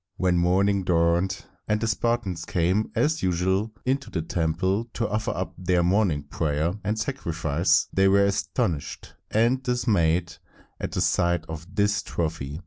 When morning dawned, and the Spartans came as usual into the temple to offer up their morning prayer and sacrifice, they were astonished and dismayed at the sight of this trophy.